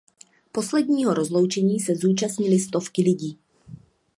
Posledního rozloučení se zúčastnily stovky lidí.